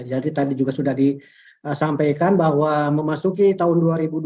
jadi tadi juga sudah disampaikan bahwa memasuki tahun dua ribu dua puluh tiga